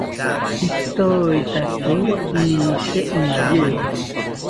itoetakiro ishi iye